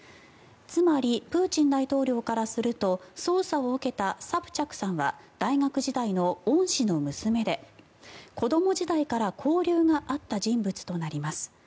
つまりプーチン大統領からすると捜査を受けたサプチャクさんは大学時代の恩師の娘で子ども時代から交流があった人物となります。